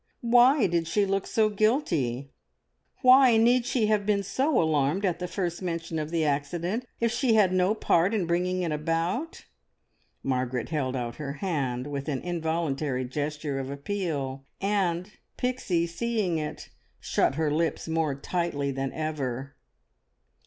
Why did she look so guilty? Why need she have been so alarmed at the first mention of the accident if she had no part in bringing it about? Margaret held out her hand with an involuntary gesture of appeal, and Pixie, seeing it, shut her lips more tightly than ever.